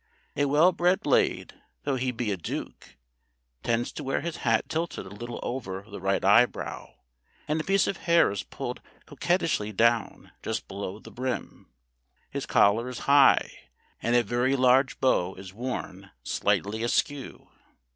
A well bred Blade though he be a duke tends to wear his hat tilted a little over the right eyebrow, and a piece of hair is pulled coquettishly down just below the brim. His collar is high, and a very large bow is worn slightly askew.